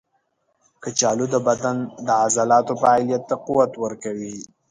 کچالو د بدن د عضلاتو فعالیت ته قوت ورکوي.